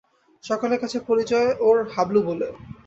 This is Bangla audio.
সকলের কাছে পরিচয় ওর হাবলু বলে।